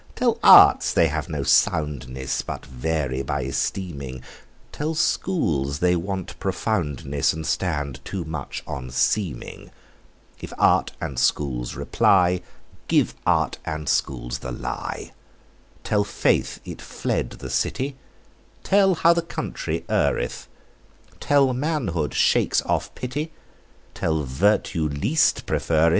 Tell arts they have no soundness, But vary by esteeming; Tell schools they want profoundness, And stand too much on seeming. If arts and schools reply, Give arts and schools the lie. Tell faith it's fled the city; Tell how the country erreth; Tell manhood, shakes off pity; Tell virtue, least preferred.